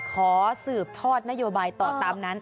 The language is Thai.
ขอสืบทอดนโยบายต่อตามนั้น